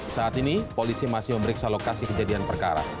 saat ini polisi masih memeriksa lokasi kejadian perkara